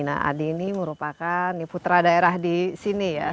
nah adi ini merupakan putra daerah di sini ya